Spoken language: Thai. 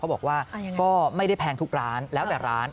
บอกว่าก็ไม่ได้แพงทุกร้านแล้วแต่ร้าน